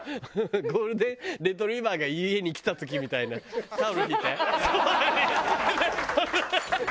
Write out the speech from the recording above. ゴールデン・レトリーバーが家に来た時みたいなタオル敷いてソファに。